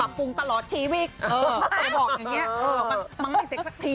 ปรับปรุงตลอดชีวิต